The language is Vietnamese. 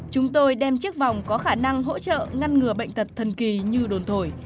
chúng tôi đem chiếc vòng có khả năng hỗ trợ ngăn ngừa bệnh tật thần kỳ như đồn thổi